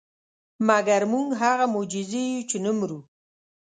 مګر موږ هغه معجزې یو چې نه مرو.